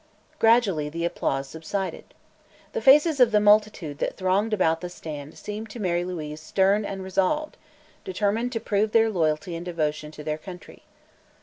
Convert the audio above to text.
Gradually the applause subsided. The faces of the multitude that thronged about the stand seemed to Mary Louise stern and resolved, determined to prove their loyalty and devotion to their country.